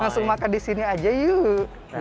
langsung makan di sini aja yuk